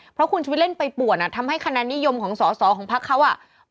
เพราะคุณชุวิตเล่นไปป่วนอ่ะทำให้คะแนนนิยมของสอสอของพักเขาอ่ะ